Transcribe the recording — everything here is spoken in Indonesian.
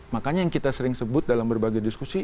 makanya yang kita sering sebut dalam berbagai diskusi